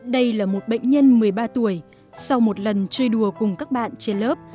đây là một bệnh nhân một mươi ba tuổi sau một lần chơi đùa cùng các bạn trên lớp